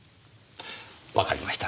わかりました。